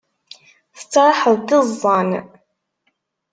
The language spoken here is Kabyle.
Tettraḥeḍ d iẓẓan.